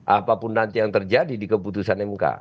apapun nanti yang terjadi di keputusan mk